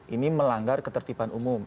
ini melanggar ketertiban umum